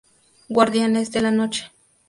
Guardianes de la noche.